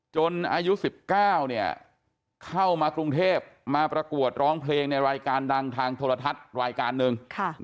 อายุ๑๙เข้ามากรุงเทพมาประกวดร้องเพลงในรายการดังทางโทรทัศน์รายการหนึ่ง